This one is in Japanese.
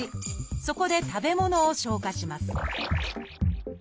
そこで食べ物を消化します